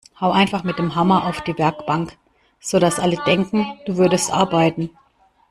Hau einfach mit dem Hammer auf die Werkbank, sodass alle denken, du würdest arbeiten!